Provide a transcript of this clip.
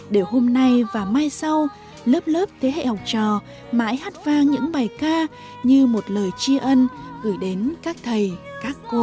để hôm nay và mai sau lớp lớp thế hệ học trò mãi hát vang những bài ca như một lời tri ân gửi đến các thầy các cô